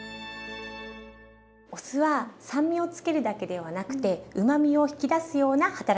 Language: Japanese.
お酢は酸味を付けるだけではなくてうまみを引き出すような働きもあります。